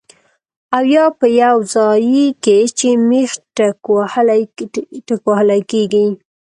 او يا پۀ يو ځائے کې چې مېخ ټکوهلی کيږي